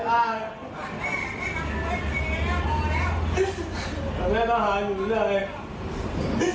อ้างแม่มาหาหนูได้